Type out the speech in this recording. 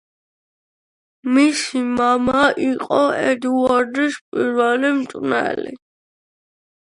მისი მამა იყო ედუარდის პირველი მწვრთნელი.